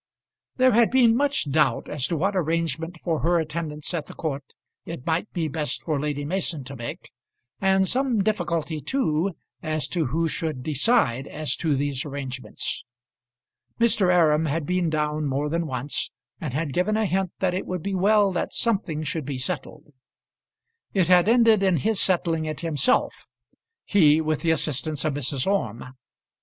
There had been much doubt as to what arrangement for her attendance at the court it might be best for Lady Mason to make, and some difficulty too as to who should decide as to these arrangements. Mr. Aram had been down more than once, and had given a hint that it would be well that something should be settled. It had ended in his settling it himself, he, with the assistance of Mrs. Orme.